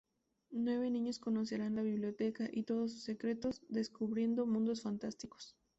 Nueve niños conocerán la biblioteca y todos sus secretos, descubriendo mundos fantásticos.